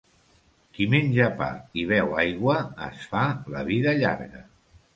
Qui menja pa i beu aigua es fa la vida llarga.